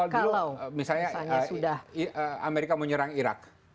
kalau misalnya amerika menyerang irak